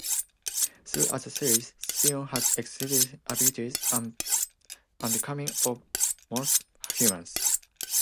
Throughout the series, Shion has exhibited abilities unbecoming of most humans.